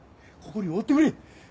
ここにおってくれ！